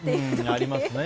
ありますね。